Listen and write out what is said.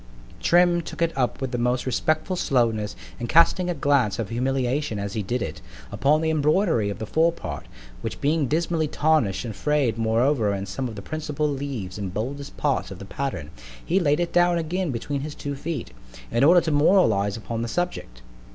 Trim_ took it up with the most respectful slowness, and casting a glance of humiliation as he did it, upon the embroidery of the fore part, which being dismally tarnish'd and fray'd moreover in some of the principal leaves and boldest parts of the pattern, he lay'd it down again between his two feet, in order to moralize upon the subject.